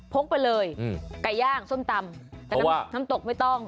พกไปเลยไก่ย่างส้มตำแต่น้ำตกไม่ต้อง